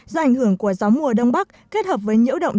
do ảnh hưởng của gió mùa đông bắc kết hợp với nhiễu động